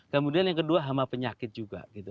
kemudian yang kedua hama penyakit juga gitu